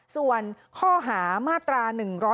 ส่วนข้อหามาตรา๑๑๒